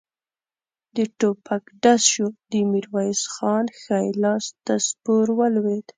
د ټوپک ډز شو، د ميرويس خان ښی لاس ته سپور ولوېد.